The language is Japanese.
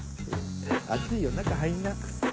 暑いよ中入んな。